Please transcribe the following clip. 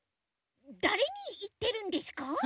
だれにいってるんですか？